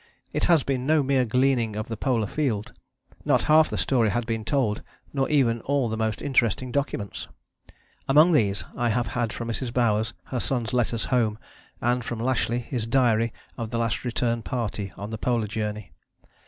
It has been no mere gleaning of the polar field. Not half the story had been told, nor even all the most interesting documents. Among these, I have had from Mrs. Bowers her son's letters home, and from Lashly his diary of the Last Return Party on the Polar Journey.